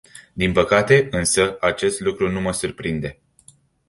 Din păcate, însă, acest lucru nu mă surprinde.